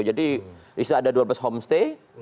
jadi di situ ada dua belas homestay